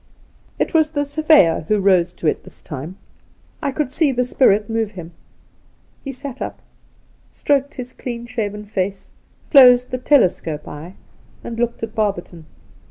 It was the surveyor wh'o rose to it this time ; I 30 The Outspan could see the spirit move him. He sat up, stroked his clean shaven face, closed the telescope eye, and looked at Barberton.